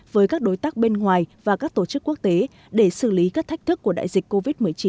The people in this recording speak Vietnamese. với các đối tác bên ngoài và các tổ chức quốc tế để xử lý các thách thức của đại dịch covid một mươi chín